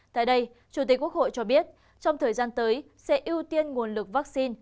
tại đây chủ tịch quốc hội cho biết trong thời gian tới sẽ ưu tiên nguồn lực vaccine